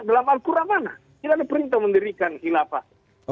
dalam al quran mana tidak ada perintah mendirikan khilafah